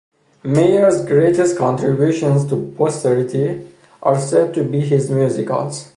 Mayer's greatest contributions to posterity are said to be his musicals.